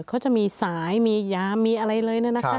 เขาจะมีสายมียามีอะไรเลยนะคะ